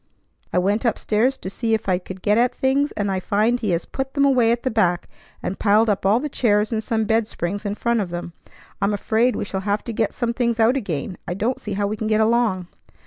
I went up stairs to see if I could get at things, and I find he has put them away at the back, and piled all the chairs and some bed springs in front of them. I'm afraid we shall have to get some things out again. I don't see how we can get along."